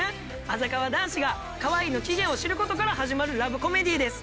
「あざかわ男子がかわいいの期限を知る事から始まるラブコメディーです」